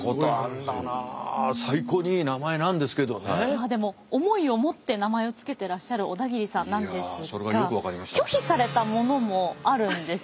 まあでも思いを持って名前を付けてらっしゃる小田切さんなんですが拒否されたものもあるんです。